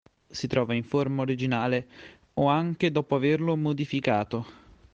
Si trova in forma originale o anche dopo averlo modificato.